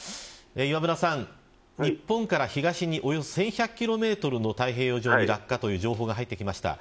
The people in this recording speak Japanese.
磐村さん、日本から東へおよそ１１００キロメートルの太平洋上に落下という情報が入ってきました。